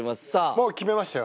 もう決めましたよ。